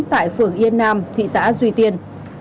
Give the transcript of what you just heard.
tại phường yên nam thị xã duy tiên